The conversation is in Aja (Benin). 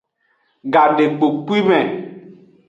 Gadekpokpwime.